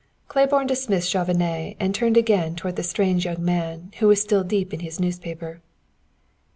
Claiborne dismissed Chauvenet and turned again toward the strange young man, who was still deep in his newspaper.